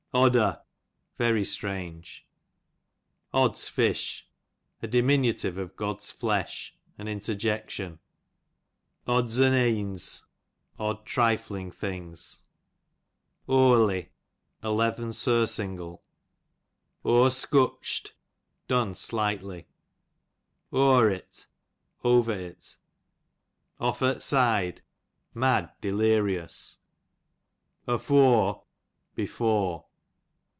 Odder, very strange, Oddsfish, a diminutive cf God^s flesh ; an interjection^ Odds on eends, odd trifling things. OeVIey, a leathern surcingle. Or'escutcht, done slightly. Oe'r't, over it. Off at side, mad, delirious. Ofore, before.